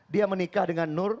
dia menikah dengan nur